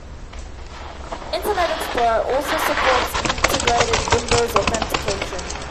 Internet Explorer also supports Integrated Windows Authentication.